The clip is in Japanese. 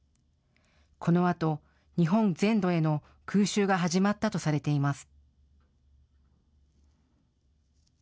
このあと、日本全土への空襲が始まったとされています。